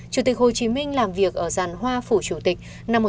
chủ tịch hồ chí minh làm việc ở giàn hoa phủ chủ tịch năm một nghìn chín trăm năm mươi bảy